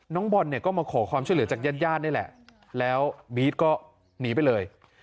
น้องบอลเนี่ยก็มาขอความช่วยเหลือจากญาติญาตินี่แหละแล้วบี๊ดก็หนีไปเลย